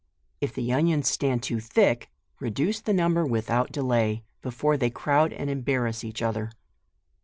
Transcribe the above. if the onions stand too thick, reduce the number without delay, before they crowd and embarrass each other.